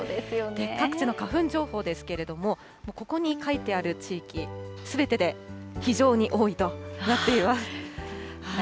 各地の花粉情報ですけれども、ここに書いてある地域すべてで非常に多いとなっています。